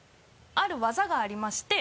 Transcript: ある技がありまして。